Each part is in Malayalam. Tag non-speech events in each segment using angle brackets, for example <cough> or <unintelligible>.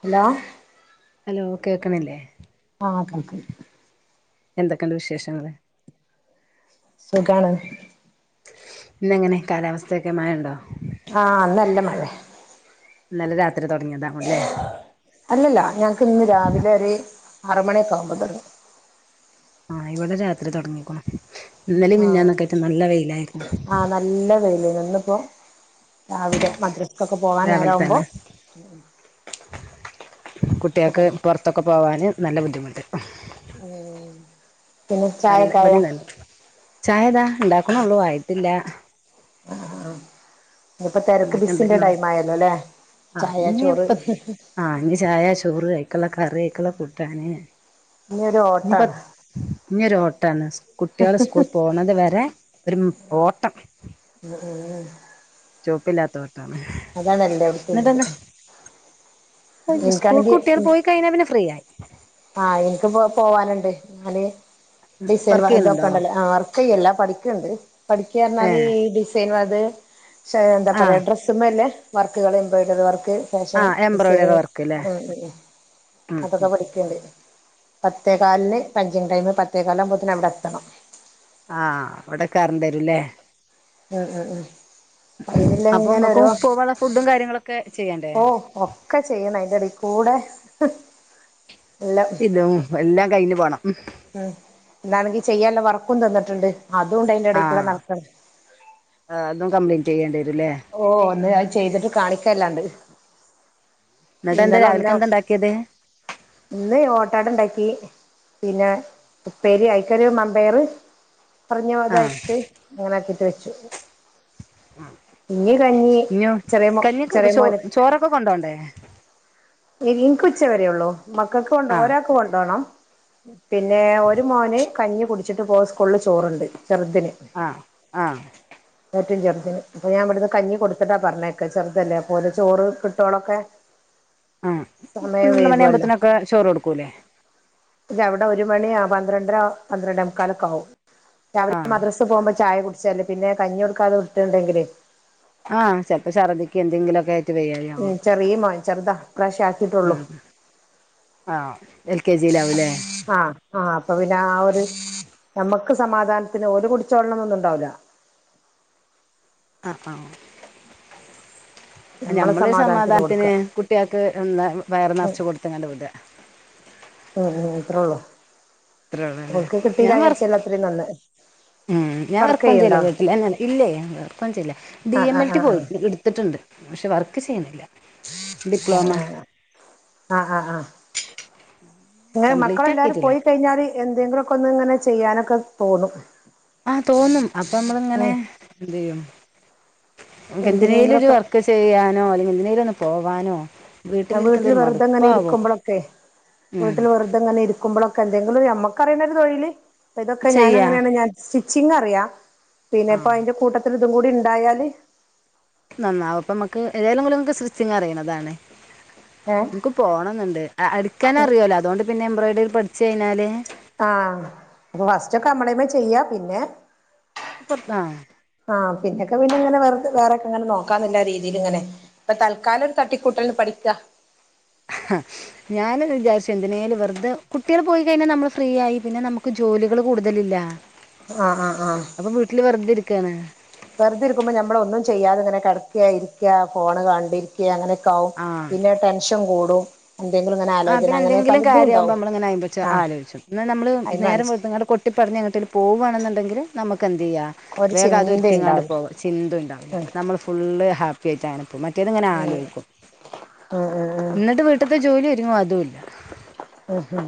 ഹലോ. ഹലോ കേക്കണില്ലേ. ആഹ് കേൾക്കണ്ട്. എന്തക്കെണ്ട് വിശേഷങ്ങള്. സുഖാണ്. ഇന്നെങ്ങനെ കാലാവസ്ഥയൊക്കെ മയണ്ടോ. ആഹ് ഇന്നല്ല മഴെ. ഇന്നലെ രാത്രി തുടങ്ങിയതാവുലേ. അല്ലല്ല ഞങ്ങക്ക് ഇന്ന് രാവിലെ ഒരു ആറ് മണിയൊക്കെ ആവുമ്പ തൊടങ്ങി. ആഹ് ഇവിടെ രാത്രി തുടങ്ങിക്ക്ണു ഇന്നലെ ആഹ് മിൻഞാന്നൊക്കെയിട്ട് നല്ല വെയിലായിരുന്നു. ആഹ് നല്ല വെയില് ഇന്നിപ്പോ രാവിലെ മദ്രസക്കൊക്കെ പോവാൻ രാവിലെ നേരവുമ്പൊ. തന്നെ അപ്പൊ കുട്ട്യാക്ക് തുടങ്ങി പുറത്തൊക്കെ പോവാന് നല്ല ബുദ്ധിമുട്ട്. ഉം പിന്നെ ചായക്കായോ. ചായതാ ഉണ്ടാക്കുണ്‌ള്ളൂ ആയിട്ടില്ല. ആഹ്. ഇതിപ്പോ തിരക്ക് ഉണ്ടാക്കണ്ട് ബിസിന്റെ നിങ്ങള് ടൈം ആയല്ലോലെ ചായ ചോറ്. ആഹ് ഞ് ചായ ചോറ് അയിക്കുള്ള കറി അയിക്കുള്ള കൂട്ടാന്. ഇനിയൊരു ഓട്ടാണ്. ഇഞ്ഞൊരു ഓട്ടാണ് സ് കുട്ടികള് സ്കൂൾ പോക്ണതു വരെ ഒരു ഓട്ടം. <unintelligible> ചോപ്പില്ലാത്തോണ്ടാണ് അതാണ് എല്ലോടത്തുള്ളത് <inaudible> ഇപ്പം പിന്നെ സ്കൂൾക്ക് കുട്ടേള് പോയി കഴിഞ്ഞാ പിന്നെ ഫ്രീ ആയി ആഹ ഇൻക്ക്പ്പം പോവാനുണ്ട് ഞാന് ഡിസൈൻ വർക്ക് വർ ചെയ്യുന്നുണ്ടോ ഇതൊക്കെണ്ടല്ലൊ ആഹ വർക്ക് ഫ്രീ അല്ല പഠിക്ക്ണ്ട് പഠിക്ക്യാ ഏ പറഞ്ഞാല് ഈ ഡിസൈൻ വ ഇത് പക്ഷെ എന്താ പറയാ ആഹ് ഡ്രസ് സ്സമ്മേള്ള വർക്കുകള് എംബ്രോയ്ഡറി വർക്ക് ഫാഷൻ ആഹ് എംബ്രോയ്ഡറി ഡിസൈനിങ് വർക്ക് ല്ലേ ഉം ഉംഉം ഉം അതൊക്കെ പഠിക്ക് ക്ക്ണ്ട് പത്തേ കാലിന് പഞ്ചിംഗ് ടൈമ് പത്തേ കാലാകുമ്പോത്ത്ന് അവുടെ എത്തണം ആഹ അവടെ കേറണ്ടെരും ല്ലേ ആഹ് ആഹ് ആഹ് അപ്പയ്നിള്ള അപ്പൊ ഇങ്ങക്കും ഇങ്ങനെരോ പോവാനുള്ള ഫുഡും കാര്യങ്ങളൊക്കെ ചെയ്യണ്ടേ ഓഹ് ഒക്കെ ചെയ്യണം അയ്ന്റെ ടീകൂടെ ഇതും എല്ലാം കയ്ഞ്ഞു പോണം ഉം ഇന്നാണെങ്കി ചെയ്യാനുള്ള വർക്കും തന്നിട്ടുണ്ട് അതൂണ്ട് അയ്ന്റെ എടേ കൂടെ നടക്കണം ആഹ് അതും കംപ്ലീറ്റെയ്യെണ്ടെരും ല്ലേ ഓ ഇന്ന് അത് ചെയ്തിട്ട് കാണിക്കാല്ലാണ്ട് എന്നിട്ട് എന്താ ഇന്നലെ രാവിലക്ക് ഒന്നാ എന്താ ഉണ്ടാക്കിയത് ഇന്ന് ഓട്ടാടണ്ടാക്കി പിന്നെ ഉപ്പേരി ആയ്ക്കൊരു മമ്പയർ കുറഞ്ഞ പോലെ ആഹ് അയ്ത്തത് അങ്ങനെ ആക്കീട്ട് വെച്ചു ഉം ഇനി കഞ്ഞി ഇഞ്ഞ് ചെറിയ മോ കഞ്ഞൊക്കവടെ ചെറിയ ചോ മോന് ചോറൊക്കെ കൊണ്ടോണ്ടേ ഇൻക്ക് ഉച്ചവരേ ഉള്ളൂ മക്കക്ക് കൊണ്ട ആഹ് ഒരാക്ക് കൊണ്ടോണം പിന്നെ ഒരു മോന് കഞ്ഞി കുടിച്ചിട്ട് പോവും സ്കൂളില് ചോറ്ണ്ട് ചെറുതിന് ആഹ് ആഹ് ഏറ്റും ചെറുതിന് അപ്പൊ ഞാൻ ഇവട്ന്ന് കഞ്ഞി കൊടുത്തിട്ടാ പറഞ്ഞേക്കാ ചെറുതല്ലേ അപ്പോല ചോറ് കിട്ടോളൊക്കെ ആഹ സമയം പത്രണ്ട് വൈകുവല്ലോ മണിയാവുമ്പോത്ത്നൊക്കെ ചോറ് കൊടുക്കൂലെ ഇല്ല അവടെ ഒരു മണി പന്ത്രണ്ടര പന്ത്രണ്ടേമുക്കാലൊക്കെ ആവും രാവിലെ ആഹ് മദ്‌റസ് ക്ക് പോകുമ്പം ചായ കുടിച്ചല്ലേ പിന്നെ കഞ്ഞി കൊടുക്കാതെ വിട്ടീണ്ടെങ്കിലെയ് ആഹ ചെൽപ്പം ഛർദ്ദിയ്ക്കോ എന്തെങ്കിലൊക്ക്യായി ചെറീ മോൻ ചെറുതാ ഇപ്രാവശ്യം ആക്കീട്ടൊള്ളു ആഹ എൽ കെ ജി ലാ വുലെ ആഹ ആഹ അപ്പം പിന്നെ ആഹ് ഒരു ഞമ്മക്ക് സമാധാനത്തിന് ഓല് കുടിച്ചോളണംന്നൊന്നും ഉണ്ടാവൂല ആഹ് ആഹ് നമ്മളെ ഞമ്മളൊരു കൊടുക്ക സമാധാനത്തിന് കുട്ടേക്ക് എന്താ വയറ് ഉം നറച്ച് കൊട്ത്ത്ങ്ങാട്ട് വിടാ ഉം ഉം അത്ര ഉള്ളൂ അത്രേയുള്ളൂല്ലേ ഓൽക്ക് ഞാൻ വർ കിട്ടീല്ലാചാരിച്ചാല് അത്രിം നന്ന് ഉം ഞാൻ വർക്ക് വർക്കൊന്നും ചെയ്യില ചെയ്യ്ണ്ടോ വീട്ടിലെന്നേണ് ഇല്ലേ ഞാൻ വർക്കൊന്നും ചെയ്യില്ല ഡി ആഹ് എം എൽ ആഹ് ടി ആഹ് പോയിട്ട്ണ്ട് ഇട്ത്ത്ട്ടുണ്ട് പക്ഷെ വർക്ക് ചെയ്യുന്നില്ല ആഹ് ആഹ് ആഹ് ഇങ്ങനെ കംപ്ലീറ്റ് മക്കളെല്ലാരും ആക്കിയിട്ടില്ല പോയി കഴിഞ്ഞാല് എന്തെങ്കിലൊക്കെ ഒന്ന് ഇങ്ങനെ ചെയ്യാനൊക്കെ തോന്നും ആഹ തോന്നും അപ്പം നമ്മള് ഇങ്ങനെ ഉം എന്ത് ചെയ്യും നമ്മക്കെന്തിനേലും ഒരു എന്തിനെങ്കിലൊക്കെ വർ ക്ക് ചെയ്യാനോ അല്ലെങ്കി എന്തിനോലൊന്ന് പോവാനോ അഹ വീട്ടിലിരിക്കുന്നത് വീട്ടില് ഒരു വെറുതെങ്ങനെ മടുപ്പാവും ഇരിക്കുമ്പളൊക്കെ ഉം വീട്ടില് വെർ ങ്ങനെ ഇരിക്കുമ്പളൊക്കെ എന്തെങ്കിലൊരു ഞമ്മക്കറിണൊരു തൊഴില് അഹ ഇതൊക്കെ ചെയ്യാ ഞാനങ്ങനേണ് ഞാന് സ്റ്റിച്ചിങ് അറിയാ പിന്നെ ഇപ്പം ആഹ് അയ്ന്റെ കൂട്ടത്തില് ഇതും കൂടിണ്ടായാല് നന്നാവും അപ്പമ്മക്ക് ഏതേലും ഇങ്ങക്ക് സ്റ്റിച്ചിങ് അറിണതാണ് ഏ ഇൻകും പോണംന്ന്ണ്ട് അടിക്കാനറിയല്ലോ അതോണ്ട് പിന്നെ എംബ്രോയിഡറി പഠിച്ചു കയ്ഞ്ഞാല് ആഹ് അപ്പം ഫസ്റ്റൊക്കെ അമ്മളേമ്മെ ചെയ്യാ പിന്നെ പൊർത് ആഹ് ആഹ് പിന്നെക്കെ പിന്നെങ്ങനെ വെർതെ വേറെക്കെങ്ങനെ നോക്കാന്നില്ല രീതീല് ഇങ്ങനെ ഇപ്പൊ തൽക്കാലം ഒരു തട്ടിക്കൂട്ടലന്ന് പഠിക്ക ആഹ് ഞാൻ വിചാരിച്ചു എന്തിനോല വെറുതെ കുട്ടികൾ പോയി കഴിഞ്ഞാൽ നമ്മള് ഫ്രീ ആയി പിന്നെ നമുക്ക് ജോലികൾ കൂടുതലില്ല ആഹ് ആഹ് ആഹ് അപ്പൊ വീട്ടില് വെറുതെരിക്കയാണ് വെറുതെ ഇരിക്കുമ്പോൾ നമ്മള ഒന്നും ചെയ്യാതെ ഇങ്ങനെ കിടക്കുക ഇരിക്കുക ഫോണ് കണ്ടിരിക്ക അങ്ങനെയക്കെകും ആഹ് പിന്നെ ടെൻഷൻ കൂടും എന്തെങ്കിലും ഇങ്ങെനെ ആ പിന്നെ എന്തെങ്കിലും കാര്യ ആവുമ്പോ നമ്മങ്ങനെ അത് നെ കുറിച്ച് ആഹ് ആലോച്ചും ന്നാ നമ്മള് അയിന് നേരം മനസ് വെളുത്ത് ങ്ങാണ്ട് കുട്ടി പറഞ്ഞഞ് അങ്ങട്ട് പോവുകയാണുണ്ടെങ്കിൽ നമുക്ക് എന് ചെയ്യുക ഒരു വേഗം അതൊരിക്കല ഇങ്ങാണ്ട് ചിന്തയുണ്ടാവില്ല പോകും ചിന്ത ഉണ്ടാവില്ല ഉം നമ്മൾ ഫുള്ള് ഹാപ്പി ആയിട്ടാണ് മറ്റേത് ഇങ്ങനെ ഉം ആലോചിക്കും ഉം ഉം എന്നിട്ട് വീട്ടത്തെ ജോലി ഒരുങ്ങോ അതും ഇല്ല ഉം ഹും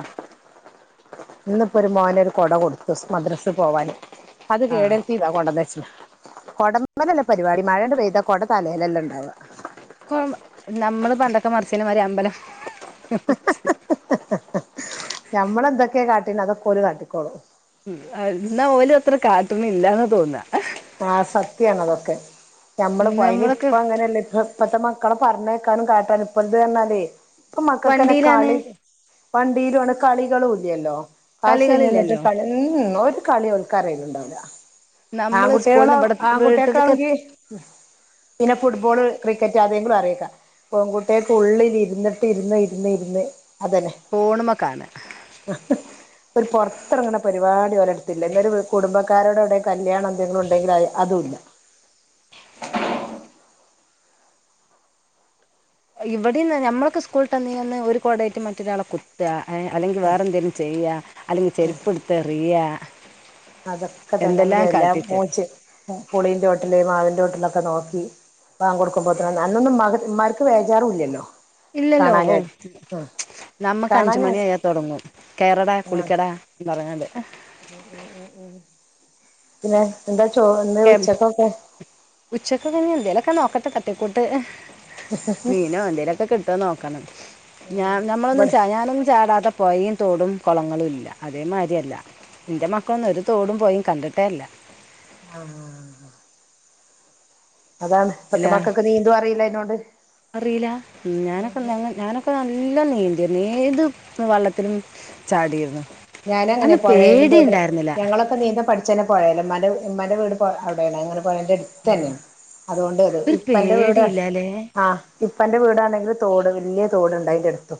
ഇന്നിപ്പോ ഒരു മോനൊരു കൊട കൊടുത്തു മദ്രസിൽ പോവാന് അത് ആഹ് കേടെർത്തീത കൊണ്ടന്ന് വെച്ച് ണ് കൊടമലല്ല പരിപാടി മഴണ്ട് പെയ്ത കൊട തലെല്ലെല്ല ഉണ്ടാവുക നമ്മള് പണ്ടൊക്കെ മറിച്ചേന് മാതിരി അമ്പലം ഞമ്മളെന്തൊക്കെയാ കാട്ടീന് അതൊക്കൊലും കാട്ടിക്കോളൂ ഇന്നാ ഒല് അത്ര കാട്ടണ് ഇല്ലന്ന തോന്നാ ആഹ് സത്യണ അതൊക്കെ ഞമ്മള് അയ്ന് നമ്മളൊക്കെ ഇപ്പ അങ്ങനെയല്ല ഇപ്പ ഇപ്പഴത്തെ മക്കളെ പറഞ്ഞഞ് കേക്കാനും കാട്ടാനും ഇപ്പഴ ഇത് പറാലേ ഇപ്പ മക്കൾക്ക എന്നെ വണ്ടിയിലാണ് കളി വണ്ടിയിലാണ് കളികളും ഇല്ലല്ലോ ക്ലാസ് കയിഞ്ഞിട്ട് കളികളില്ലല്ലോ കളി ഉം ഒരു കളി ഓൾക്ക് അറിയല് ഉണ്ടാവില്ല നമ്മള് ആൺകുട്ടികളാ സ്കൂളിന്ന് ഇവിടെ വീട്ടിലൊക്കെ ആൺകുട്ടെക്കാണെങ്കിൽ പിന്നെ ഫുട്ബോള് ക്രിക്കറ്റ് ആതെങ്കിലും അറിയേക്ക പെൺകുട്ടെക്ക് ഉള്ളില ഇരുന്നിട്ട് ഇരുന്ന് ഇരുന്ന് ഇരുന്ന് അതന്നെ ഫോണുമക്കാണ് ആഹ് ഒരു പുറത്തിറങ്ങനെ പരിപാടി ഓലെടുത്തില്ല എന്നരു കുടുംബക്കാരോടെ അവിടെ കല്യാണം ങ്ങള് ഉണ്ടെങ്കിൽ അതുല്ല ഇവിടെന്ന് നമ്മൊക്കെ സ്കൂളിൽ തന്നന്ന് ഒരു കോടയായിട്ട് മറ്റൊരാളെ കു അല്ലെങ്കിൽ വേറെ എന്തേങ്കിലും ചെയ്യുക അല്ലെങ്കിൽ ചെരുപ്പ എടുത്ത് എറിയുക അതൊക്കെ തന്നെ നക്ക് എല്ലാം മോച്ച് പുളീന്റെ ചോട്ട്ല് മാവിന്റെ ചോട്ട്ല്ലൊക്കെ നോക്കി ബാക്ക്കൊടുക്കുമ്പോത്ത് ന് അന്നൊന്നും മഗ് ഇന്മാർക്ക് വേജാറുഇല്ലല്ലോ ഇല്ലല്ലോ നമുക്ക് കാണാഞ്ഞാ അഞ്ചുമണിയാ തുടങ്ങും കേറട കുളിക്കട എന്നു പറഞ്ഞാണ്ട് ഉം ഉം ഉം ഉം പിന്നെ എന്താ ചോ എന്താ ഉച്ചക്കൊക്കെ ഉച്ചക്കെപിന്നെ എന്തേലൊക്കെ നോക്കട്ടെ തട്ടിക്കൂട്ട് മീനോ എന്തേലൊക്കെ കിട്ടുവന്ന് നോക്കണം ഞാൻ നമ്മളൊന്നും ഇവിടെ ഞാനൊന്നും ചാടാത്ത പുഴയും തോടും കുളങ്ങളും ഇല്ല അതേമാതിരി അല്ല എൻ്റെ മക്കളൊന്നും ഒരു തോടും പൊയിം കണ്ടിട്ടേല്ല ആഹ് ഇല്ല ഇപ്പത്തെ മക്കൾക്ക് നീന്തും അറിയില്ല അയിനോണ്ട് അറിയില്ല ഞാനൊക്കെ ഞ ഞാനൊക്കെ അപ്പ നല്ല നീന്തിരുന്നു ഏത് വള്ളത്തിലും ചാടിയിരുന്നു ഞാന അങ്ങനെ അന്ന് പൊഴയാലും പേടി തോട്ട് ഉണ്ടായിരുന്നില്ല ഞങ്ങള അപ്പ നീന്താ പഠിച്ചന്നെ പോയെല ഇമ്മ ഇമ്മാന്റെ വീട് അവിടെയാണ് അങ്ങനെ പോയന്റെ തന്നെയ അതുകൊണ്ടത് ഒരു ഇപ്പ എന്റെ വീട് പേടിയില്ല അല്ലേ ആഹ് ഇപ്പ എന്റെ വീടാണെങ്കില് തോട് വലിയ തോട്ണ്ടണ്ട് അതിന്റെ അടുത്തു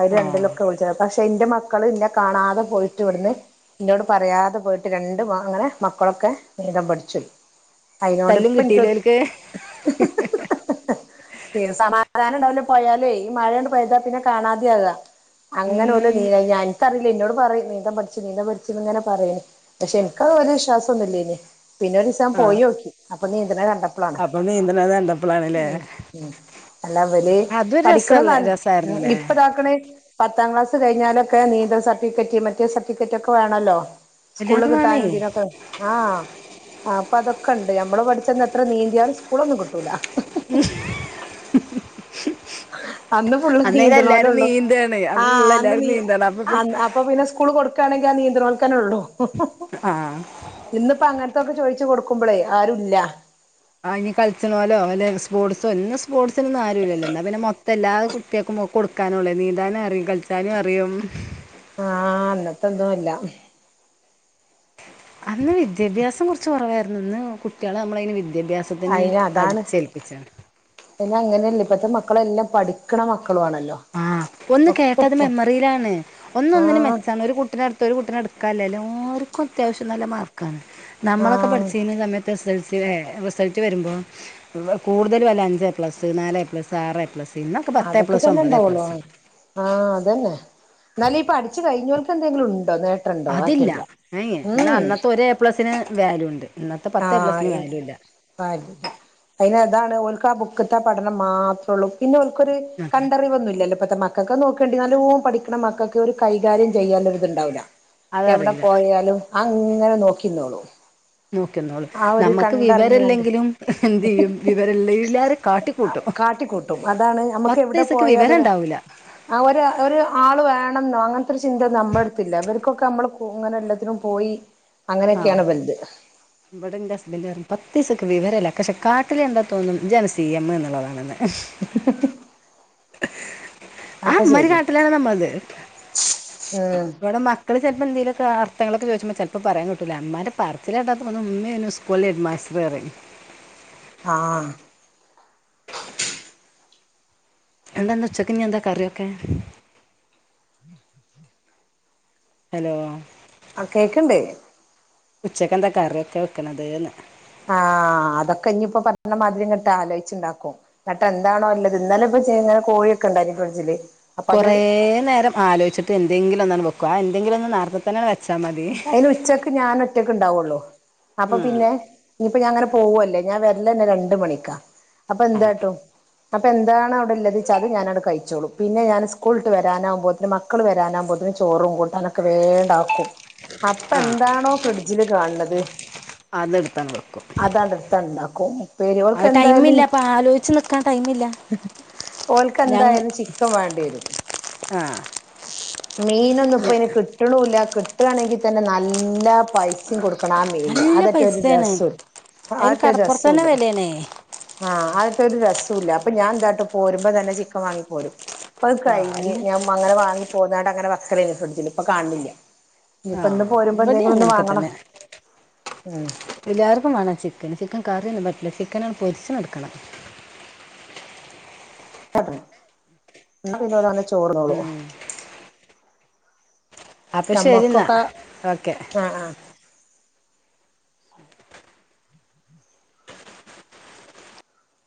അര് ആ രണ്ടിലൊക്കെ വിളിച്ചത പക്ഷെ ക്ഷെ എന്റെ മക്കള് ഇന്നെ കാണാതെ പോയിട്ട് ഇവിടുന്ന് ഇന്നോട് പറയാതെ പോയിട്ട് രണ്ട് അങനെ മക്കളൊക്കെ നീന്തം പഠിചോയി അയിനോട് തല്ലും ഇപ്പ ഇൻക്ക് കിട്ടിയില്ല ഓൽക്ക് സമാധാനം ഉണ്ടാവലും പോയാലേ ഈ മഴയൊണ്ട് പോയതാ പിന്നെ കാണാതെയ ആവ അങ്ങനെ പോല്ല ഉം നീ ഞ എനിക്കറിയില്ല എന്നോട് പറയും നീന്തൻ പഠിച്ചു നീന്തൻ പഠിച്ച് ഇങ്ങനെ പറയേ പക്ഷെ ഇൻക്കത് വരെ വിശ്വാസം ഒന്നുല്ലെനി പിന്നെ ഒരു ദിവസം ആ പോയി നോക്കി അപ്പൊ നീന്തിനെ കണ്ടപ്പോ അപ്പൊ നീന്തണത് കണ്ടപ്പോളാണല്ലേ അല്ല അവര് അതൊരു പഠിക്കണം രസള്ള നല്ല ഉം രസായിരുന്നുല്ലേ ഇപ്പതാക്കണേ പത്താം ക്ലാസ് കഴിഞ്ഞാലൊക്കെ നീന്ത സർട്ടിഫിക്കറ്റ് മറ്റേ സർട്ടിഫിക്കറ്റ് ഒക്കെ വേണല്ലോ സ്കൂളില് എല്ലാതും വേണേ കിട്ടാനും ഇതിനൊക്കെ ആഹ് അപ്പൊ അതൊക്കെ ഇണ്ട് ഞമ്മള് പഠിച്ചന്ന് എത്ര നീന്തിയാലും സ്കൂളൊന്നും കിട്ടൂല <unintelligible> അന്ന് ഫുള്ള് അന്നേരം എല്ലാരും നീന്തണോലൊള്ളു നീന്താണ് ആഹ് ഫുള്ള് അന്ന് എല്ലാരും നീ നീന്താണ് അപ്പൊ അഹ് അപ്- അപ്പൊ പിന്നെ സ്കൂള് കൊടുക്കയാണെങ്കി ആ നിന്ത്‌ണോൽ ക്കന്നെ ഉള്ളു ആഹ് ഇന്നിപ്പ അങ്ങനത്തൊക്കെ ചോയിച്ചു കൊടുക്കുമ്പോളേ ആരുല്ല ആ ഇനി കളിച്ചണമലോ അല്ലെ സ്പോർട്സോ ഇന്ന് സ്പോർട്സിനന്നും ആരുല്ലല്ലോ എന്താ പിന്നെ ഇത്ത എല്ലാ കുട്ടികൾക്കും കൊടുക്കാനുള്ള നീന്താനും അറിയും കളിച്ചാലും അറിയും ആഹ് അന്നത്തെൊന്നുംല്ല അന്ന് വിദ്യാഭ്യാസം കുറച്ച് കുറവായിരുന്നു ഇന്ന് കുട്ടിയളെ നമ്മള അയിന് വി വിദ്യാഭ്യാസത്തിന് അടിച്ചേൽപ്പിച്ചാണ് പിന്ന അങ്ങനെയല്ലേ ഇപ്പത്തെ മക്കളെല്ലാം പഠിക്കണ മക്കളും ആണല്ലോ ആഹ് ഒന്ന് ഒക്കെ കേട്ടത് ഇപ്പൊ മെമ്മറിയിലാണ് ഒന്ന് ഒന്നിനെ ആഹ് മെച്ചാണ് ഒരു കുട്ടിടുത്ത് മൊരു കുട്ടിനെ എടുക്കാൻ ഇല്ലാലും ആർക്കും അത്യാശം നല്ല മാർക്കാണ് നമ്മളൊക്കെ ആഹ് പഠിച്ച് കഴിഞ്ഞ സമയത്ത് എ സ സൽ സിടെ റിസൾട്ട് വരുമ്പോ കൂടുതല് വല്ല അഞ്ച് എ പ്ലസ് നാല് എ പ്ലസ് ആറ് എ പ്ലസ് ഇന്നൊക്കെ പത്ത് എ അതൊക്കെ പ്ലസ് തന്നെ ഒമ്പത് എ പ്ലസും ഉണ്ടാവുള്ളൂ ആഹ് ആഹ് അതന്നെ എന്നാലും ഇ പടിച്ചു കഴിഞ്ഞാർക്ക് എന്തെങ്കിലും ഉണ്ടോ നേട്ട അതില്ല പിന്ന അന്നത്തെ ഒരു എ പ്ലസിന് വാല്യൂ ഉണ്ട് ഇന്നത്തെ പത്ത് എ ആഹ് പ്ലസിന് ഇ വാല്യൂ ഇല്ല ല്ല അതിന് അതാണ് ഓർക്ക് ആ ബുക്കത്തെ ആ പഠനം മാത്രള്ളൂ പിന്നെ ഓർക്കൊരു കണ്ടറിവ് ഒന്നുല്ലല്ലോ ഇപ്പത്തെ മക്കൾക്ക് നോക്കേണ്ട പഠിക്കണ മക്കൾക്ക് ഒരു കൈകാര്യം ചെയ്യാൻ ഒരു ഇതുണ്ടാവൂല്ല എവിടെ അതറിയില്ല പോയാലും അങ്ങനെ നോക്കിന്നോളും നോക്കിന്നോളും ആ ഒരു നമുക്ക് കണ്ടറിഞ്ഞാണ്ട് വിവരമില്ലെങ്കിലും എന്ത് ചെയ്യും വിവരല്ല എല്ലരും കാട്ടി കാട്ടിക്കൂട്ടും അതാണ് നമ്മുക്ക് എവിടെ വിവരം പോയാലൊരു ഉണ്ടാവൂല ആ ഒരു ആള് വേണം എന്നോ അങ്ങനത്തെൊ ഒരു ചിന്ത നമ്മുടെ അടുത്തില്ല അവർക്കൊക്കെ നമ്മള് ഇങ്ങനെ എല്ലാത്തിനും പോയി ആഹ് അങ്ങനെയൊക്കെയാണ് ഇവൽത് ഇവിടെ ഇന്റെ ഹസ്ബൻ്റ പറയും പത്ത് പൈസക്ക് വിവരല്ല പക്ഷെ കാട്ടിലു കണ്ടാ തോന്നും ഇജ്ജാണ് സി എം എന്നുള്ളത് എന്ന് <unintelligible> <inaudible> ആ അതക്കെ ഇമ്മാരി ശരി ഉം കാട്ടിലാണ് ഇവടെ മക്കള് ചെൽപ്പ എന്തേലൊക്ക അർത്ഥങ്ങളൊക്ക ചോയിച്ച്മ്പോ ചെൽപ്പ പറയാം കിട്ടുല ഇമ്മാൻ്റെ പർച്ചില് കേട്ടാ തോന്നും ഇമ്മേണ് ഓലെ ഹെഡ്മാസ്റ്ററ് പറയും. ആഹ് എന്താ ഇന്ന് ഉച്ചക്ക് ഇഞ് എന്താ കറിയൊക്കെ ഹലോ ആ കേക്ക്ണ്ട് ഉച്ചക്കെന്താ കറിയെക്ക വെക്ക്ണത് ന്ന് ആ അതൊക്ക ഇഞ്ഞിപ്പോ പറ്റ്ണ മാതിരി ഇങ്ങട്ട് ആലോയിച്ണ്ടാക്കും ഇന്നട്ട് എന്താണോ ഇള്ളത് ഇന്നലെ ഇപ്പ ചെർങ്ങനെ കോഴിയൊക്ക ഇണ്ടായിനി ഫ്രഡ്ജില് കോറെ നേരം ആലോയിച്ട്ട് എന്തെങ്കിലും ഒന്നാണ്ട് വെക്കു അത് എന്തെങ്കിലും ഒന്ന് നെർത്തെ തന്നെ വെച്ചാ മതി അയിന് ഉച്ചക്ക് ഞാന് ഒറ്റക്ക് ഇണ്ടാവോള്ളൂ അപ്പ ഉം പിന്നെ ഇഞ്ഞിപ്പ ഞാങ്ങനെ പോവല്ലേ ഞാൻ വര്ലന്നെ രണ്ടു മണിക്കാ അപ്പ എന്താട്ടും അപ്പ എന്താണ് അവ്ടെ ഇല്ലത് ചാ അത് ഞാനാണ്ട് കഴിച്ചോളൂ പിന്നെ ഞാന് സ്കൂൾട്ട് വരാനാവുമ്പോത്തിന് മ ക്കള് വരാനാവുമ്പോത്തിന് ചോറും കൂട്ടാനൊക്ക വേ ഇണ്ടാക്കും അപ്പ ആ എന്താണോ ഫ്രിഡ്ജില് കാൺണത് അതെടുത്താണ് വെക്കും അതാണ്ട് ഇട്ത്താണ്ട് ഇണ്ടാക്കും ഉപ്പേരികള് ഓൽക്ക് അത് എന്തായാലും ടൈമില്ല അപ്പൊ ആലോചിച്ച് നിക്കാൻ ടൈമില്ല ഓൽക്ക് ഞങ്ങ എന്തായാലും ചിക്കൻ വാണ്ടി വരും <inaudible> മീനൊന്നു ഇപ്പ അയിന് കിട്ട്ണുല്ല കിട്ടാണെങ്കി തന്നെ നല്ല പൈസ് സിം കൊട്ക്കണം ആ മീൻന് നല്ല അതറ്റെ ഒരു പൈസയാണ് രസു അതിന് അതറ്റെ ഒരു കടപ്പുറത്ത് തന്നെ രസുല്ല വിലയാണേ ആ അതറ്റെ ഒരു രസു ഇല്ല അപ്പ ഞാ എന്താട്ടും പോരുമ്പോ തന്നെ ചിക്കം വാങ്ങി പോരും ഇപ്പ അത് ആഹ് കഴിഞ്ഞ് അല്ല ഞാൻ അങ്ങനെ വാങ്ങി പോന്നാണ്ട് അങ്ങനെ വെക്കലെനി ഫ്രിഡ്ജില് ഇപ്പ കാൺണില്ല ആ ഇവടി അങ്ങനക്കെ വാങ്ങണം തന്നെ ഉം എല്ലാര്ക്കും വാണം ചിക്കന് ചിക്കൻ കറിയൊന്നും പറ്റില്ല ചിക്കനാണ്ട് പൊര്ച് കൊട്ക്കണം <unintelligible> ന്നാ പിന്നെ ഓല് വന്ന് ചോറ് തിന്നോളു ഉം അപ്പ ശെരി ന്നാ ഞമ്മക്കൊക്കെ ഓക്കെ ആഹ് ആഹ്